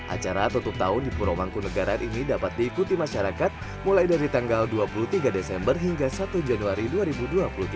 acara tutup tahun di pura mangkunegaran ini dapat diikuti masyarakat mulai dari tanggal dua puluh tiga desember hingga satu januari dua ribu dua puluh tiga